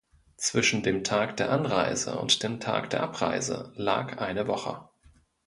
Zwischen dem Tag der Anreise und dem der Abreise lag eine Woche.